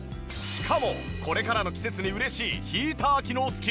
しかもこれからの季節に嬉しいヒーター機能付き！